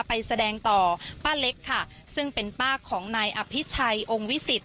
ไปแสดงต่อป้าเล็กค่ะซึ่งเป็นป้าของนายอภิชัยองค์วิสิต